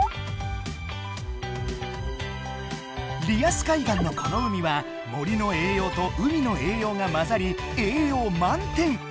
リアス海岸のこの海は森の栄養と海の栄養がまざり栄養満点。